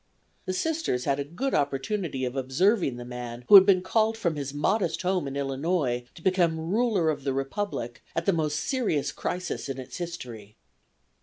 The Sisters had a good opportunity of observing the man who had been called from his modest home in Illinois to become ruler of the Republic at the most serious crisis in its history.